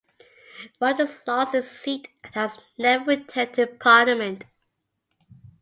Rogers lost his seat, and has never returned to Parliament.